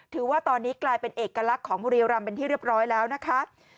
ถือว่าตอนนี้กลายเป็นเอกลักษณ์ของบุรีรำเป็นที่เรียบร้อยแล้วนะคะ